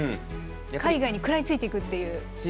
海外に食らいついていくという。